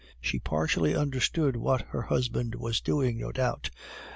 She partially understood what her husband was doing, no doubt.